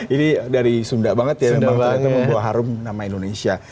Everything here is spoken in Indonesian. ini dari sunda banget ya membawa harum nama indonesia